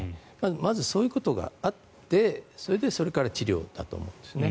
まずそういうことがあってそれでそれから治療だと思うんですね。